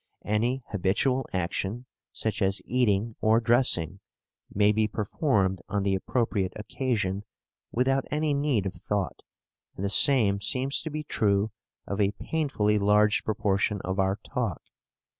Any habitual action, such as eating or dressing, may be performed on the appropriate occasion, without any need of thought, and the same seems to be true of a painfully large proportion of our talk.